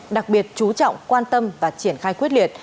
đặc biệt chú trọng quan tâm và triển khai quyết liệt